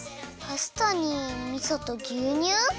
パスタにみそとぎゅうにゅう？